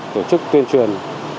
kiểu chức tuyên truyền